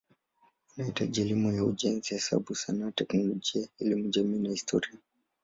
Wanahitaji elimu ya ujenzi, hesabu, sanaa, teknolojia, elimu jamii na historia.